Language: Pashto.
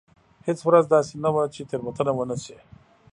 هېڅ ورځ داسې نه وه چې تېروتنه ونه شي.